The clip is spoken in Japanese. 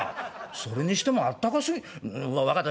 「それにしてもあったかすぎう分かった